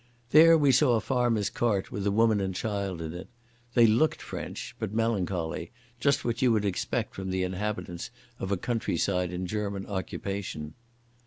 There we saw a farmer's cart with a woman and child in it. They looked French, but melancholy, just what you would expect from the inhabitants of a countryside in enemy occupation.